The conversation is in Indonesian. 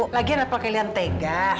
lagian apa kalian tega